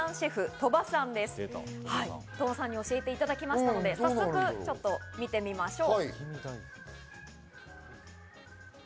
鳥羽さんに教えていただきましたので、早速見てみましょう。